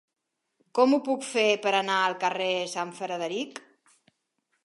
Com ho puc fer per anar al carrer de Sant Frederic?